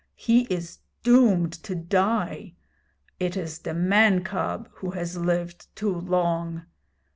He is doomed to die! It is the man cub who has lived too long.